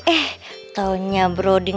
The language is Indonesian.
eh taunya broding